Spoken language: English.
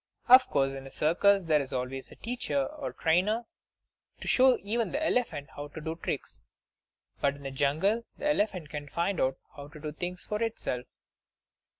Of course in a circus there is always a teacher, or trainer, to show even the elephant how to do tricks; but in the jungle the elephant can find out how to do things for itself.